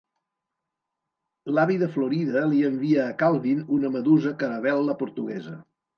L'avi de Florida li envia a Calvin una medusa caravel·la portuguesa.